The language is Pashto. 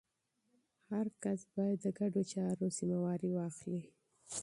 هر کس باید د ګډو چارو مسوولیت واخلي.